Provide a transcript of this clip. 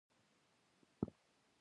دا منطق د ټولو ملتونو تر منځ مشترک دی.